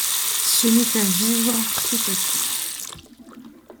Se mit à vivre tout à coup.